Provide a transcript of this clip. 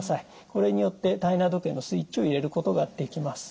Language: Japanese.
これによって体内時計のスイッチを入れることができます。